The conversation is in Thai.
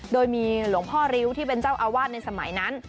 โดยมีหลวงพ่อริ้วที่เป็นเจ้าอาวาสในสมัยนั้น